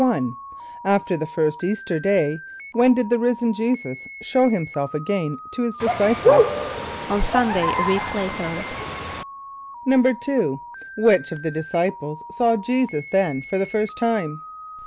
=1.= After the first Easter day, when did the risen J[=e]´[s+]us show himself again to his disciples? =On Sunday, a week later.= =2.= Which of the disciples saw J[=e]´[s+]us then for the first time?